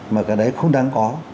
mà cái đấy không đáng có